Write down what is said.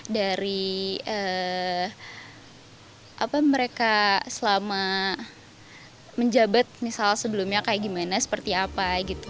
dari mereka selama menjabat sebelumnya seperti apa